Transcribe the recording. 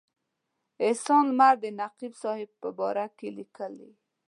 احسان لمر د نقیب صاحب په باره کې لیکي.